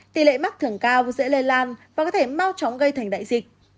tỷ lệ mắc thường cao dễ lây lan và có thể mau chóng gây thành đại dịch